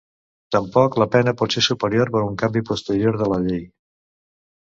Tampoc la pena pot ser superior per un canvi posterior de la llei.